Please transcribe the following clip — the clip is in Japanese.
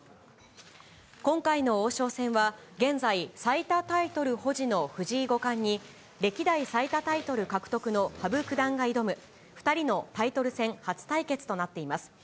今回の王将戦は、現在、最多タイトル保持の藤井五冠に、歴代最多タイトル獲得の羽生九段が挑む、２人のタイトル戦初対決となっています。